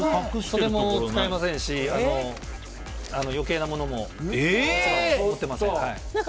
袖も使いませんし余計なものも持ってません。